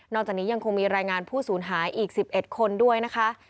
จากนี้ยังคงมีรายงานผู้สูญหายอีก๑๑คนด้วยนะคะ